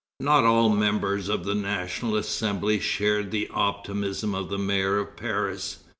Not all the members of the National Assembly shared the optimism of the mayor of Paris.